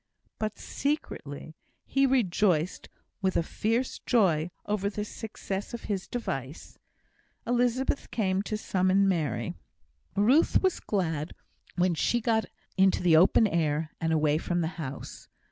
But, secretly, he rejoiced with a fierce joy over the success of his device. Elizabeth came to summon Mary. Ruth was glad when she got into the open air, and away from the house.